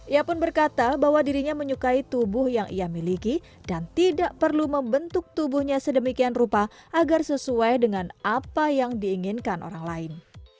ia pun berkata bahwa dirinya menyukai tubuh yang ia miliki dan tidak perlu membentuk tubuhnya sedemikian rupa agar sesuai dengan apa yang diinginkan orang lain